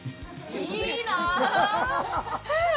いいなあ。